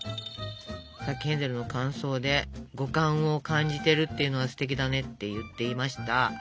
さっきヘンゼルの感想で「五感を感じてるっていうのはステキだね」って言っていました。